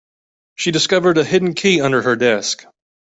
She discovered a key hidden under her desk.